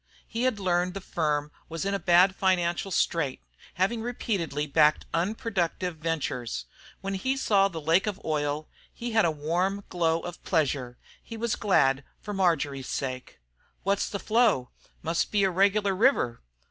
He had learned the firm was in a bad financial strait, having repeatedly backed unproductive ventures. When he saw the lake of oil he had a warm glow of pleasure; he was glad for Marjory's sake. "What's the flow? Must be a regular river."